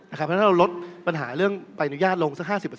เพราะฉะนั้นเราลดปัญหาเรื่องใบอนุญาตลงสัก๕๐